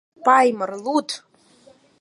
Паймыр, луд!